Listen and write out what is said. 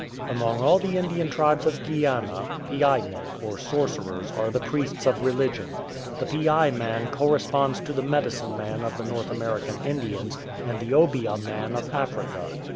Among all the Indian tribes of Guiana piai men, or sorcerers, are the priests of religion. The 2)iai man corresponds to the "medicine man'*' of the North American Indians and the " obeah man"" of Africa.